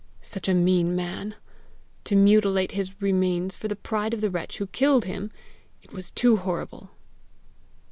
Such a mean man! To mutilate his remains for the pride of the wretch who killed him! It was too horrible!